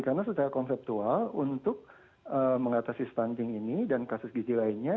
karena secara konseptual untuk mengatasi stunting ini dan kasus gizi lainnya